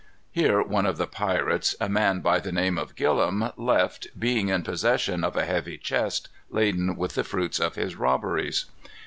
Here one of the pirates, a man by the name of Gillam, left, being in possession of a heavy chest, laden with the fruits of his robberies.